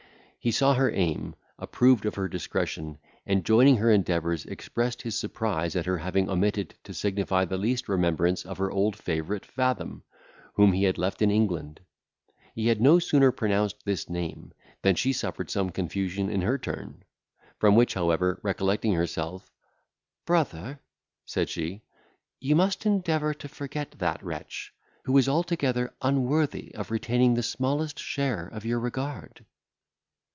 He saw her aim, approved of her discretion, and, joining her endeavours, expressed his surprise at her having omitted to signify the least remembrance of her old favourite, Fathom, whom he had left in England. He had no sooner pronounced this name, than she suffered some confusion in her turn; from which, however, recollecting herself, "Brother," said she, "you must endeavour to forget that wretch, who is altogether unworthy of retaining the smallest share of your regard."